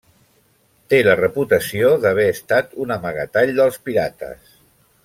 Té la reputació d'haver estat un amagatall dels pirates.